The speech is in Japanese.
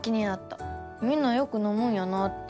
みんなよくのむんやなって。